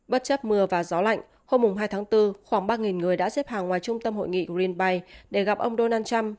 bất chấp mưa và gió lạnh hôm hai tháng bốn khoảng ba người đã xếp hàng ngoài trung tâm hội nghị greenbay để gặp ông donald trump